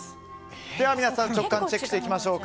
では皆さんの直感をチェックしていきましょう。